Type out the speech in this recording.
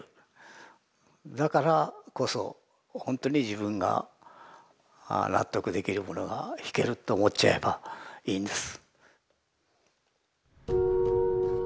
だからこそほんとに自分が納得できるものが弾けると思っちゃえばいいんです。